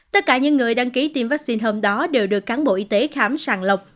tất cả những người đăng ký tiêm vaccine hôm đó đều được cán bộ y tế khám sàng lọc